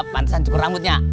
pansan cukur rambutnya